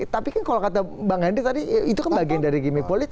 tapi kan kalau kata bang henry tadi itu kan bagian dari gimmick politik